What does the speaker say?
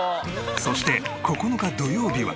そして９日土曜日は。